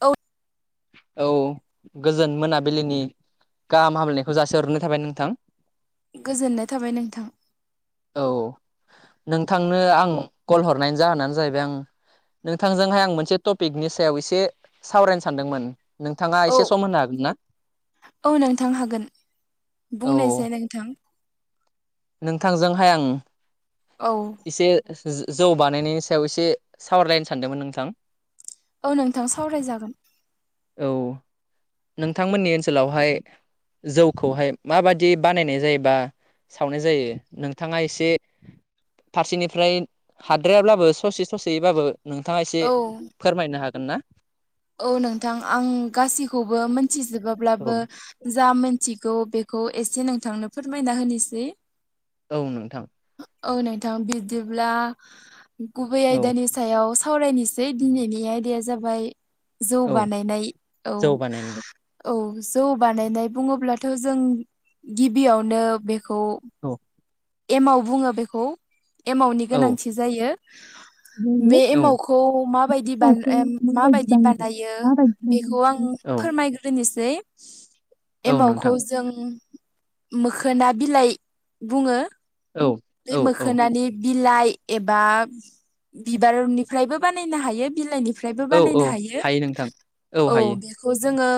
औ औ गोजोन मोनाबिलिनि गाहाम हामलायनायखौ जासि हरनाय थाबाय नोंथां गोजोननाय थाबाय नोंथां औ नोंथांनो आं कल हरनायनि जाहोनानो जाहैबाय आं नोंथांजोंहाय आं मोनसे टपिकनि सायाव एसे सावरायनो सा सानदोंमोन नोंथाङा औ एसे सम होनो हागोन ना? औ नोंथां हागोन औ बुंनायसै नोंथां नोंथांजोंहाय आं औ एसे जौ बानायनायनि सायाव एसे सावरायलायनो सानदोंमोन नोंथां औ नोंथां सावरायजागोन औ नोंथांमोननि ओनसोलावहाय जौखौहाय माबादि बानायनाय जायोबा सावनाय जायो नोंथाङा एसे फारसेनिफ्राय हाद्रायाब्लाबो ससे ससेबाबो नोंथाङा एसे औ फोरमायनो हागोन ना? औ नोंथां आं गासैखौबो मोनथिजोब्लाबो औ जा मोन मिथिगौ बेखौ एसे नोंथांनो फोरमायना होनोसै औ नोंथां औ नोंथां बिदिब्ला गुबै औ आयदानि सायाव साव सावरायनोसै दिनैनि आयदाया जाबाय जौ औ बानायनाय औ जौ बानायनाय औ जौ बानायनाय बुङोब्लाथ' जों गिबियावनो बेखौ औ एमाव बुङो बेखौ एमावनि औ गोनांथि जायो बे औ एमावखौ माबायदि बा माबायदि बानायो बेखौ आं फोरमायग्रोनोसै औ एमावखौ नोंथां जों मोखोना बिलाइ बुङो औ बे औ औ मोखोनानि बिलाइ एबा बिबारनिफ्रायबो बानायनो हायो बिलाइनिफ्राय फ्रायबो औ औ बानायनो हायो नोंथां औ बेखौ जोङो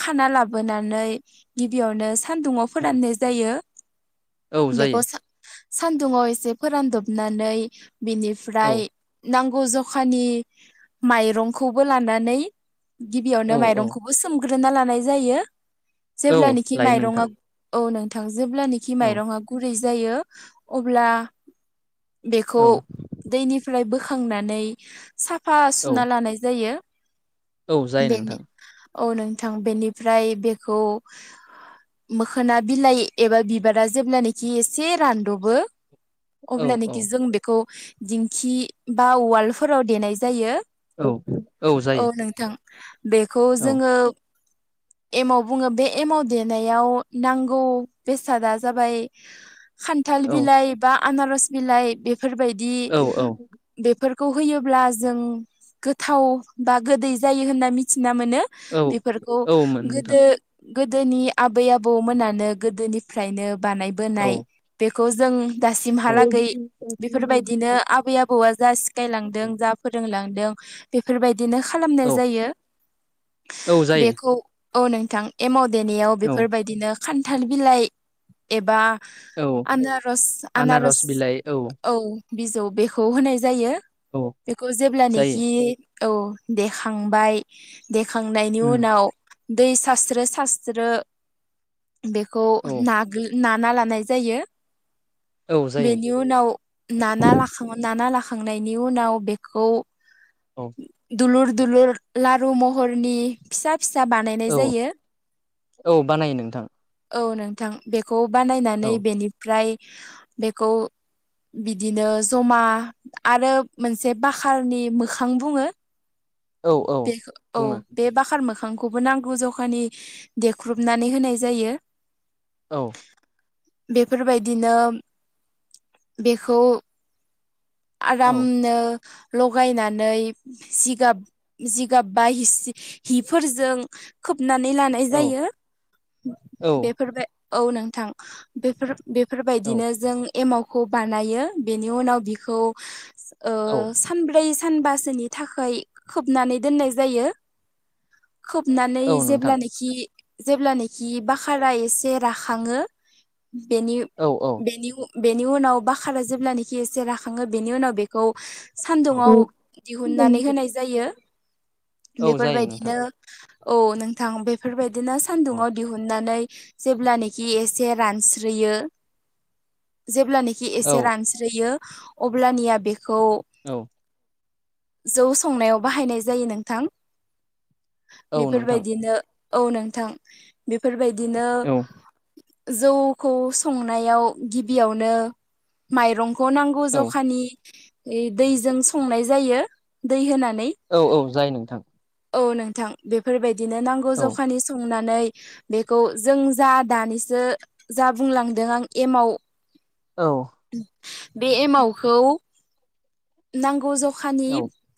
खाना लाबोनानै गिबियावनो सानदुाव औ फोराननाय जायो औ जायो सान्दुङाव एसे फोरानदबनानै औ बिनिफ्राय नांगौ ग जखानि माइरंखौबो लानानै औ गिबियावनो औ माइरंखौबो स ग्रोना लानाय जायो औ जेब्लानाखि लायो नोंथां माइरङा औ नोंथां जेब्लानाखि औ माइरङा गुरै जायो अब्ला बेखौ औ दैनिफ्राय बोखांनानै साफा औ सुना लानाय जायो औ जायो बेनि नोंथां औ नोंथां बेनिफ्राय बेखौ मोखोना बिलाइ एबा बिबारा जेब्लानाखि एसे रान दबो औ औ अब्लानोखि जों बेखौ दिंखि बा उवालफोराव देनाय जायो औ नोंथां बेखौ औ जोङो एमाव बुङो बे एमाव देनायाव नांगौ बेसादा जाबाय थाल औ बिलाइ बा आनारस बिलाइ औ औ बेफोरबायदि खौ होयोब्ला जों गोथाव बा गोदै जायो होनना मिथि ना मोनो औ बेफोरखौ औमोन नोंथां गोदो गोदोनि आबै आबौमोनानो गोदोनिफ्रायनो बानायबोनाय औ बेखौ जों औ दासिमहालागै बेफोरबायदिनो आबै आबौआ जा सिखायलांदों जा फोरोंलांदों दों बेफोरबायदिनो खालामनाय औ जायो औ जायो बेखौ औ नोंथां एमाव देनायाव औ बेफोरबायदिनो खान्थाल बिलाइ एबा औ आनारस आनारस औ बिजौ बेखौ होनाय जायो औ बेखौ जायो जेब्लानाखि औ देखांबाय देखांनायनि उम उनाव दै सारास्रो सारास्रो बेखौ औ नागोलि नाना लानाय जायो औ जायो बेनि उनाव नाना लाखां नाना लाखांनायनि उनाव बेखौ औ दुलुर दुलुर लारु महरनि फिसा फिसा बानायनाय औ जायो। औ बानायो नोंथां औ नोंथां बेखौ बानायनानै औ बेनिफ्राय बेखौ बिदिनो जमा आरो मोनसे बाखारनि मोखां बुङो। औ औ बे औ बुङो बे बाखार मोखां बिफांखौबो नांगौ जखानि देख्रुबनानै होनाय जायो। औ बेफोरबायदिनो बेखौ औ आरामनो लगायनानै जिगाब बा हिफोरजों खोब नानै लानाय जायो औ बेफोर बाय औ नोंथां बेफोर औ बेफोरबायदिनो जों एमावखौ बानायो बेनि उनाव बिखौ औ सानब्रै सानबासोनि थाखाय खोबनानै दोननाय जायो। खोबनानै औ नोंथां जेब्लानाखि जेब्लानाखि बकारा एसे राखङो औ औ बेनि उनाव बकारा जेब्लानाखि एसे राख हखाङो बेनि उनाव बेखौ औ सान्दुाव दिहुननानै होनाय जायो। औ जायो बेफोरबायदिनो नोंथां औ नोंथां बेफोरबायदिनो औ सानदुुंआव दिहुननानै जेब्लानखि एसे रानस्रोयो। जेब्लानाखि औ एसे रानस्रोयो। अब्लानिया बेखौ औ जौ संनायाव बाहायनाय जायो नोंथां औ नोंथां बेफोरबायदिनो औ नोंथां बेफोरबायदिनो औ जौखौ संनायाव गिबियावनो माइरंखौ नांगौ। औ अखनि दैजों संनाय जायो दै होना औ औ जाय नोंथां। औ नोंथां बेफोरबायदिनो नांगौ औ जखानि संना बेखौ जों जा दानिसो जा बुंलांदों आं एमाव औ बे एमावखौ नांगौ जखानि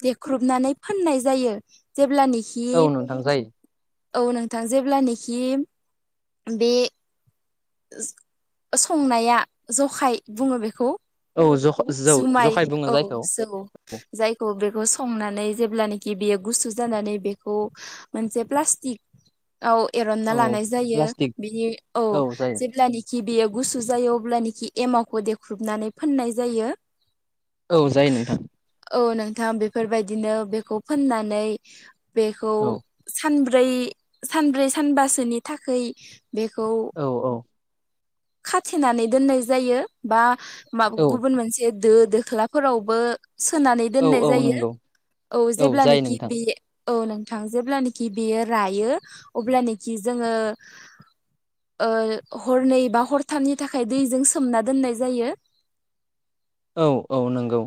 देख्रुबनानै फाननाय जायो जेब्लानि औ नोंथां जायो। औ नोंथां जेब्लानाखि बे संनाया जखाय बुङो बेखौ औ जौ जौ जुमाय जखाय बुङो औ जायखौ जौ जायखौ बे बेखौ संनानै जेब्लानाखि बियो गुसु जानानै बेखौ मोनसे प्लास्टिक औ एरनना औ लानाय जायो प्लास्टिक बिनि औ। जेब्लानखि बियो गुसु जायो अब्लानोखि एमावखौ देख्रुबनानै फोननाय जायो। औ जायो नोंथां। औ नोंथां बेफोर बायदिनो बेखौ फोननानै बेखौ औ सानब्रै ब्रै सानब्रै सानबासोनि थाखाय बेखौ औ औ खाथेनानै दोननाय जायो बा औ गुबुन मोनसे दो दोख्लाफोरावबो सोनानै औ दोननाय औ जायो नंगौ औ जायो जेब्लानखि नोंथां बे औ नोंथां जेब्लानखि बेयो रायो अब्लानखि जोङो ओं। हरनै बा हरथामनि थाखाय दैजों सोमना दोननाय जायो। औ औ नंगौ।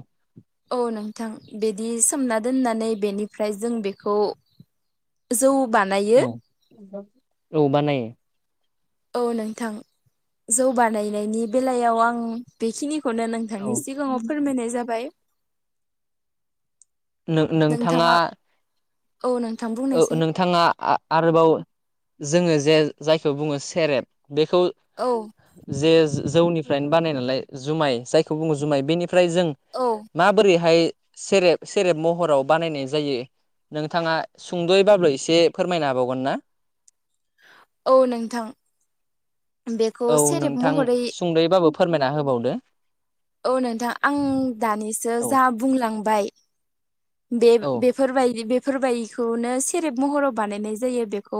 औ नोंथां बिदि सोमना दोननानै बेनिफ्राय जों बेखौ जौ बानायो। औ औ बानायो। औ नोंथां जौ बानायनायनि बेलायाव आं बेखिनिखौ नोंथांनि औ सिगाङाव फोरमायनाय जाबाय। नो-नो- नोंथाङा औ नोंथां ओ बुंनायसाय नोंथाङा आ-आरोबाव जोङो जाय-जायखौ बुङो सेरेब बेखौ औ जे जौनिफ्रायनो बानाय नालाय जुमाय जायखौ बुङो जुमाय बेनि ओमफ्राय जों औ माबोरैहाय सेरेब सेरेब महराव बानायनाय जायो नोंथाङा सुंद'यैब्लाबो एसे फोरमायनो हाबावगोनना। औ नोंथां। बेखौ औ सेरेब नोंथां महरै सुंदैबाबो फोरमायना होबावदो। औ नोंथां आं दानिसो औ जा बुंलांबाय। बे औ बेफोर बायदि बेफोर बायदिखौनो सेरेब महराव बानायनाय जायो बेखौ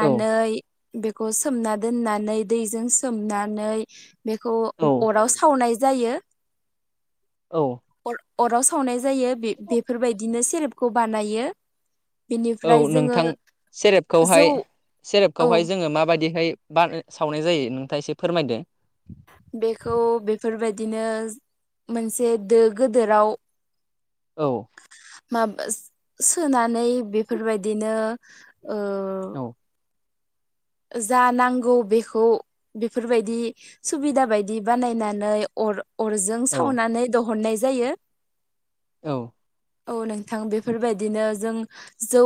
औ बेखौ सोमना दोननानै दैजों सोमनानै बेखौ औ अराव सावनाय जायो। औ अराव सावनाय जायो बे बेफोर बायदिनो सेरेपखौ बानायो। औ बेनिफ्राय जोङो नोंथां जौ सेरेपखौहाय औ सेरेपखौहाय जोङो माबायदिहाय सावनाय जायो नोंथाङा एसे फोरमायदो। बेखौ बे बेफोर बायदिनो मोनसे दो गिदिराव। औ। माबा सोनानै बेफोर बायदिनो औ। जा नांगौ बेखौ बेफोर बायदि सुबिदा बायदि बानायनानै अर अरजों औ सावनानै दिहुननाय जायो। औ। औ नोंथां बेफोर बायदिनो जों जौ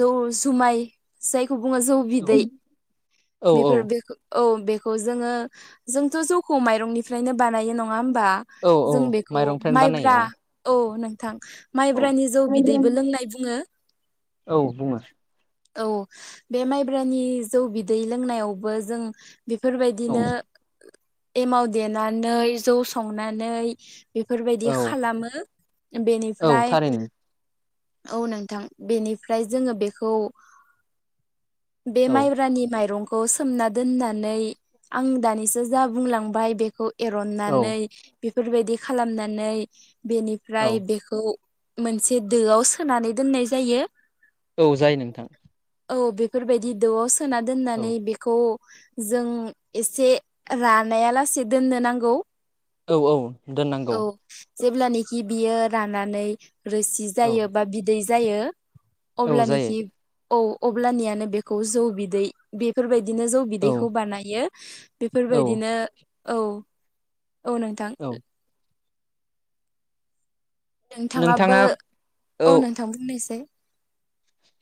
जौ जुमाय जाय जायखौ बुङो जौ औ बिदै। औ बेफोर औ औ बेखौ जोङो जोंथ' जौखौ माइरंनिफ्रायनो बानायो नङा होनबा। औ औ जों बेखौ माइरंनिफ्रायनो बानायो माइब्रा औ नोंथां। औ माइब्रानि जौ बिदैबो लोंनाय बुङो। औ बुङो औ बे माइब्रानि जौ बिदै लोंनायावबो जों बेफोर औ बायदिनो एमाव देनानै जौ संनानै बेफोर बायदि औ खालामो औ बेनिफ्राय थारैनो औ नोंथां बेनिफ्राय जोङो बेखौ बे औ माइब्रानि माइरंखौ सोमना दोननानै आं दानिसो जा बुंलांबाय बेखौ औ एरननानै बेफोरबायदि खालामनानै बेनिफ्राय औ बेखौ मोनसे दोआव सोनानै दोननाय जायो औ जायो नोंथां। औ बेफोरबायदि दोआव सोना दोननानै औ बेखौ जों एसे रानाया लासे दोननो नांगौ औ औ दोननांगौ। जेब्लानखि बियो रानानानै रोसि औ जायो बा बिदै जायो औ जायो अब्लानोखि औ अब्लानियानो बेखौ जौ बिदै बेफोरबायदि- बिदिनो जौ औ बिदैखौ बानायो औ बेफोरबायदिनो औ औ नोंथां औ नोंथाङाबो नोंथाङा औ नोंथां बुंनायसाय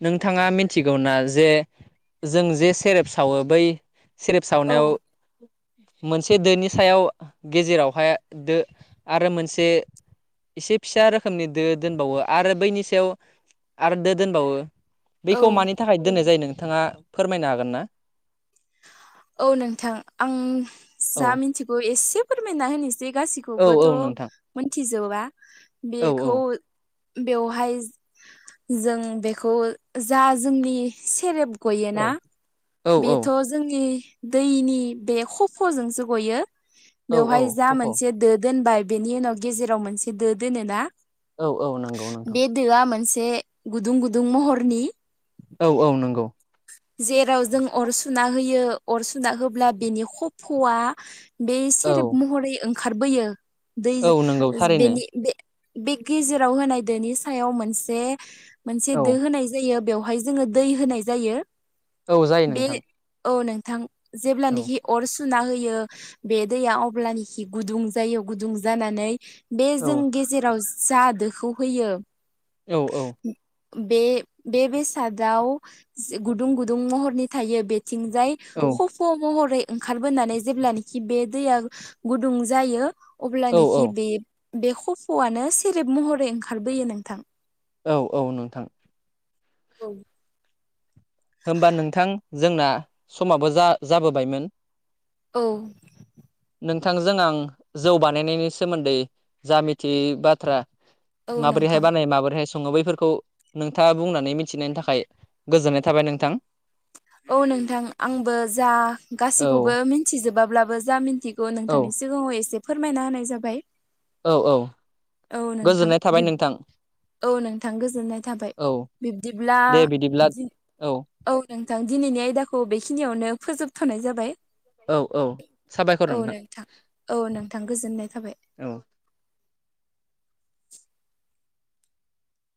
नोंथाङा मिथिगौना जे जों जे सेरेप सावो बै सेरेफ औ सावनायाव मोनसे दोनि सायाव गेजेरावहाय दो आरो मोनसे एसे फिसा रोखोमनि दो दोनबावो आरो बैनि सायाव आरो दो दोनबावो औ बैखौ मानि थाखाय दोननाय जायो नोंथाङा फोरमायनो हागोन ना औ नोंथां आं औ जा मिथिगौ एसे फोरमायना होनोसै जे औ गासिखौबोथ' औ नोंथां मोनथिजोबा औ बेखौ बेवहाय जों बेखौ जा जोंनि सेरेब औ गयोना औ बेथ' जोंनि दैनि बे खफ'जोंसो गयो औ औ बेवहाय जा खफ' मोनसे दो दोनबाय बेनि उनाव गेजेराव मोनसे दो दोनोना औ औ नंगौ नोंथां एसे गुदुं गुदुं महरनि औ औ नंगौ जेराव जों अर सुना होयो अर सुना होब्ला बिनि खफ'आ बे औ सेरेब महरै ओंखारबोयो दै औ नंगौ थारैनो बेनि बे बे गेजेराव होनाय दोनि सायाव मोनसे मोनसे औ दो होनाय जायो बेवहाय बेहाय जोङो दै होनाय जायो औ जायो बे नोंथां औ नोंथां जेब्ला औ निखि अर सुना होयो बे दैया अब्लनिखि गुदुं जायो गुदुं जानानै बे औ जों गेजेराव जा दोखौ होयो औ औ बे बे बेसादाव गुदुं गुदुं महरनि थायो बे थिं जाय खफ' महरै ओंखारबोनानै जेब्लानखि बे दैया गुदुं जायो औ अब्लानोखि बे बे खफ'आनो सेरेब महरै ओंखारबोयो नोंथां औ औ नोंथां औ होमबा नोंथां जोंना समाबो जा जाबोबायमोन औ नोंथांजों आं जौ बानायनायनि सोमोन्दै जा मिथियै बाथ्रा औ माबोरैहाय नोंथां। बानायो माबोरैहाय सङो सङो बैफोरखौ नोंथाङा बुंनानै मिथिनायनि थाखाय गोजोननाय थाबाय नोंथां औ नोंथां आंबो जा औ गासैखौबो मिथिजोबाब्लाबो जाथि मोनथिगौ औ नोंथांनि सिगाङाव एसे फोरमायना होनाय जाबाय औ औ औ नोंथां गोजोननाय थाबाय नोंथां औ नोंथां गोजोननाय थाबाय औ बिब्दिब्ला दे बिदिब्ला औ नोंथां दिनैनि आयदाखौ बेखिनियावनो फोजोबथ'नाय जाबाय औ औ साबायखर नोंथां औ नोंथां गोजोननाय थाबाय औ